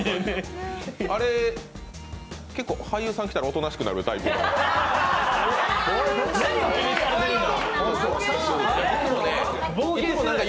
あれ、結構、俳優さん来たら、おとなしくるタイプですか。